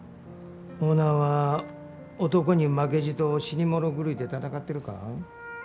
オーナーは男に負けじと死に物狂いで闘ってるか？